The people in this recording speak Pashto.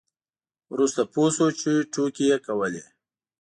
وروسته پوه شو چې ټوکې یې کولې.